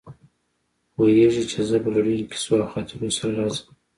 پوهېږي چې زه به له ډېرو کیسو او خاطرو سره راځم.